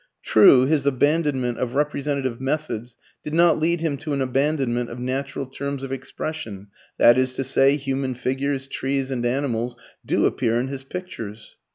True his abandonment of representative methods did not lead him to an abandonment of natural terms of expression that is to say human figures, trees and animals do appear in his pictures.